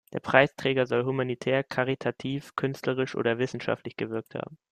Der Preisträger soll humanitär, karitativ, künstlerisch oder wissenschaftlich gewirkt haben.